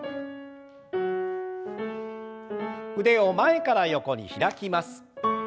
腕を前から横に開きます。